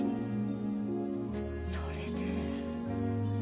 それで。